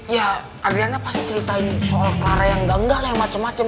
ya ardiana pasti ceritain soal clara yang ganggal yang macem macem